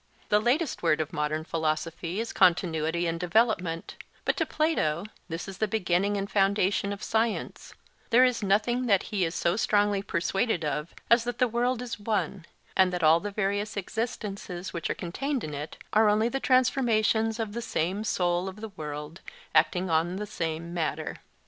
The latest word of modern philosophy is continuity and development, but to Plato this is the beginning and foundation of science; there is nothing that he is so strongly persuaded of as that the world is one, and that all the various existences which are contained in it are only the transformations of the same soul of the world acting on the same matter.